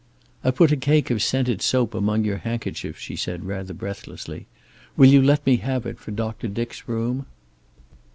"I put a cake of scented soap among your handkerchiefs," she said, rather breathlessly. "Will you let me have it for Doctor Dick's room?"